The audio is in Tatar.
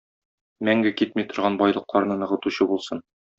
Мәңге китми торган байлыкларны ныгытучы булсын.